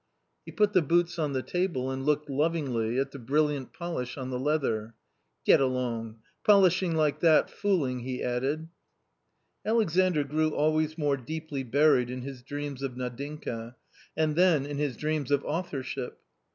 He put the boots on the table and looked lovingly at the brilliant polish on the leather. " Get along ! polishing like that fooling !" he added. Alexandr grew always more deeply buried in his dreams of Nadinka and then in his dreams of authorship.